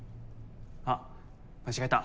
あ間違えた。